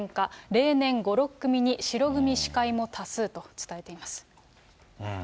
例年、５、６組に白組司会も多数と伝えています。